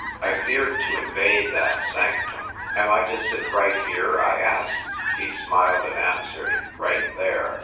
I feared to invade that sanctum. "Am I to sit right here?" I asked. He smiled and answered, " Right there."